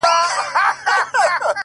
دغه خبرې کړه- نور بس راپسې وبه ژاړې-